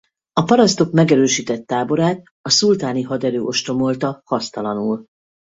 A parasztok megerősített táborát a szultáni haderő ostromolta hasztalanul.